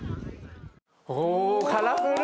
おカラフル！